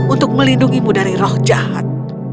untuk melindungimu dari roh jahat